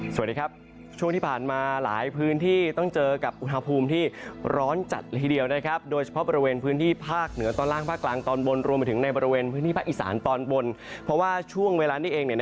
สวัสดีครับช่วงที่ผ่านมาหลายพื้นที่ต้องเจอกับอุณหภูมิที่ร้อนจัดละทีเดียวนะครับโดยเฉพาะบริเวณพื้นที่ภาคเหนือตอนล่างภาคกลางตอนบนรวมไปถึงในบริเวณพื้นที่ภาคอีสานตอนบนเพราะว่าช่วงเวลานี้เอง